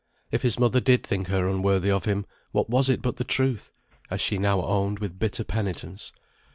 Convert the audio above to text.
If his mother did think her unworthy of him, what was it but the truth, as she now owned with bitter penitence.